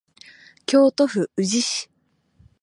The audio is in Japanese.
京都府宇治市